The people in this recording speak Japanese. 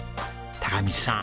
貴道さん